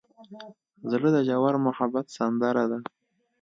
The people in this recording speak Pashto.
زړه د ژور محبت سندره ده.